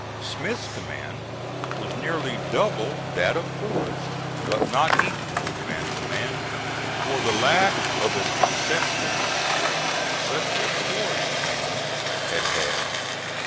Smith's command was nearly double that of Forrest, but not equal, man to man, for the lack of a successful experience such as Forrest's men had had.